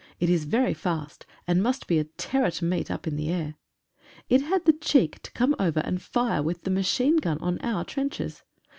It is very fast, and must be a terror to meet up in the air. It had the cheek to come over and fire with the machine gun on our trenches.